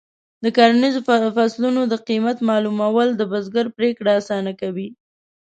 د کرنیزو فصلونو د قیمت معلومول د بزګر پریکړې اسانه کوي.